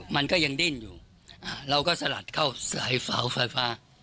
มันก็ยังดิ้นอยู่เราก็สลัดเข้าสายเสาไฟฟ้า